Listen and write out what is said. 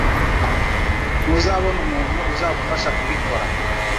Ntuzabona umuntu uzagufasha kubikora